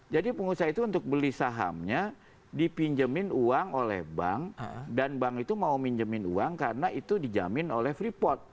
jadi pengusaha itu untuk beli sahamnya dipinjemin uang oleh bank dan bank itu mau minjemin uang karena itu dijamin oleh freeport